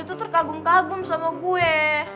dia tuh terkagum kagum sama gue